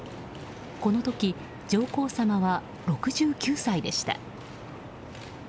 この時、上皇さまは６９歳でした。